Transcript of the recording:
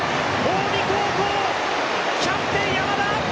近江高校キャプテン山田！